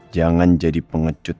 jangan jadi pengecut